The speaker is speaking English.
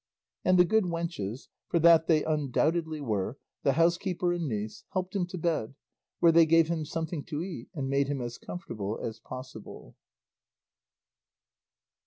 And the good wenches (for that they undoubtedly were), the housekeeper and niece, helped him to bed, where they gave him something to eat and made him as comfortable as possible.